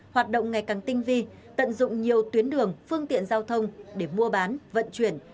hoạt động ngày càng tinh vi tận dụng nhiều tuyến đường phương tiện giao thông để mua bán vận chuyển